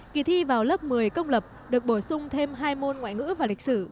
kỳ thi vào lớp một mươi công lập được bổ sung thêm hai môn ngoại ngữ và lịch sử